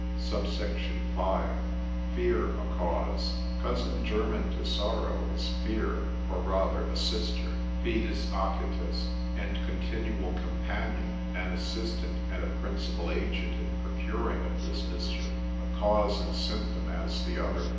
SUBSECT. V.—Fear, a Cause. Cousin german to sorrow, is fear, or rather a sister, fidus Achates, and continual companion, an assistant and a principal agent in procuring of this mischief; a cause and symptom as the other.